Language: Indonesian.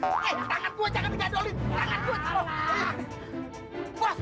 hei tangan gua jangan digadolin